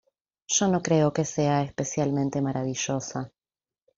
Yo no creo que sea especialmente maravillosa.